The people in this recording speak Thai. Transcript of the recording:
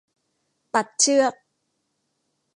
ตัดเชือก